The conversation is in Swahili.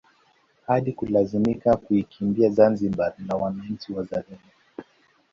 Hadi kulazimika kuikimbia Zanzibar na wananchi wazalendo